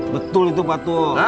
betul itu patu